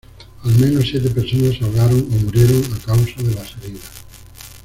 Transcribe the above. Al menos siete personas se ahogaron o murieron a causa de las heridas.